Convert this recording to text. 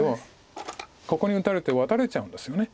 ここに打たれてワタれちゃうんですよね。